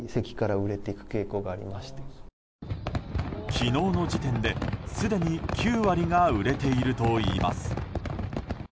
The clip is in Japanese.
昨日の時点で、すでに９割が売れているといいます。